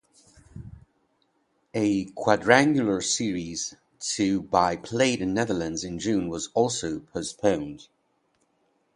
A quadrangular series to by played in Netherlands in June was also postponed.